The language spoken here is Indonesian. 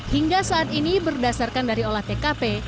hingga saat ini berdasarkan dari olah tkp